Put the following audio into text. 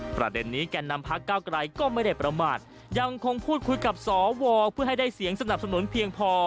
ประเด็นนี้แก่นำพักเก้าไกรก็ไม่ได้ประมาทยังคงพูดคุยกับสวเพื่อให้ได้เสียงสนับสนุนเพียงพอ